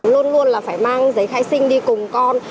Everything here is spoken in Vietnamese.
luôn luôn là phải mang giấy khai sinh đi cùng con